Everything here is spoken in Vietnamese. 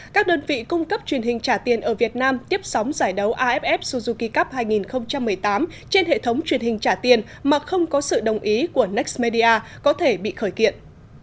các đơn vị cung cấp truyền hình trả tiền ở việt nam tiếp sóng giải đấu aff suzuki cup hai nghìn một mươi tám trên hệ thống truyền hình trả tiền mà không có sự đồng ý của nextmedia có thể bị khởi kiện